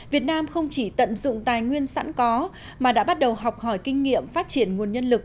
việt nam không chỉ tận dụng tài nguyên sẵn có mà đã bắt đầu học hỏi kinh nghiệm phát triển nguồn nhân lực